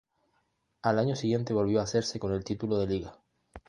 Al año siguiente volvió a hacerse con el título de liga.